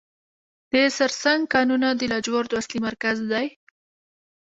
د سرسنګ کانونه د لاجوردو اصلي مرکز دی.